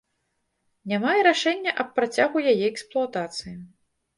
Няма і рашэння аб працягу яе эксплуатацыі.